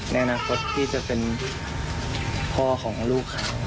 ในอนาคตที่จะเป็นพ่อของลูกเขา